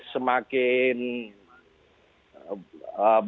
semakin baik membaca laporan